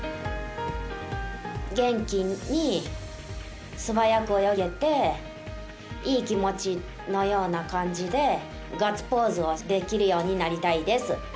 元気に素早く泳げていい気持ちのような感じでガッツポーズをできるようになりたいです。